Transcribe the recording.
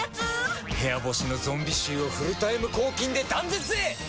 部屋干しのゾンビ臭をフルタイム抗菌で断絶へ！